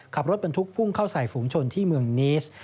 ขับรถบรรทุกพุ่งเข้าใส่ฝูงชนที่เมืองนิส